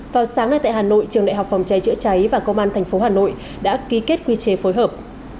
vào sáng nay tại hà nội trường đại học phòng cháy chữa cháy và công an tp hà nội đã ký kết quy chế phối hợp